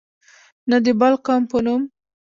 نه د بل قوم په نوم.